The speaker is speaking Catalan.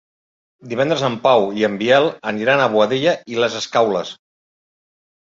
Divendres en Pau i en Biel aniran a Boadella i les Escaules.